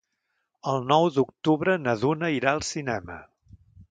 El nou d'octubre na Duna irà al cinema.